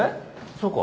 そうか？